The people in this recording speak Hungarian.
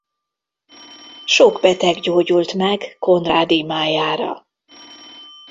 Sok beteg gyógyult meg Konrád imájára.